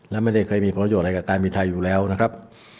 และไม่ได้เคยมีประโยชนอะไรกับการบินไทยอยู่แล้วนะครับ